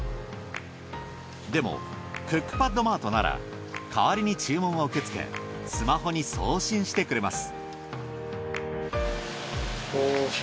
でもクックパッドマートなら代わりに注文を受け付けスマホに送信してくれます。